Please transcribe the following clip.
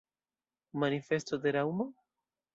Manifesto de Raŭmo?